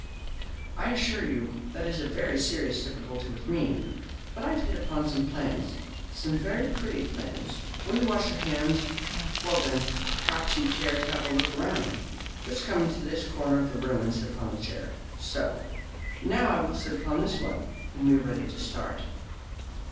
"I assure you that it is a very serious difficulty with me. But I have hit upon some plans some very pretty plans. Will you wash your hands? Well, then, perhaps you would care to have a look round. Just come into this corner of the room, and sit upon this chair. So. Now I will sit upon this one, and we are ready to start."